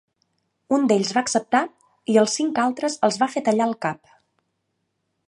Un d'ells va acceptar i als cinc altres els va fer tallar el cap.